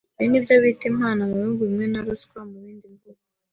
Ibi nibyo bita 'impano' mubihugu bimwe na 'ruswa' mubindi bihugu.